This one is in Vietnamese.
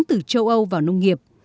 từ châu âu vào nông nghiệp